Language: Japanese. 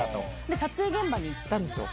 撮影現場に行ったんですよ。